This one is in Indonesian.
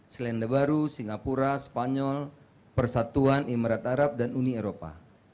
selandabaru singapura spanyol persatuan imarat arab dan uni eropa